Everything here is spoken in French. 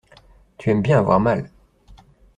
Tu aimes bien avoir mal.